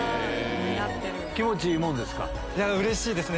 気持ちいいですか？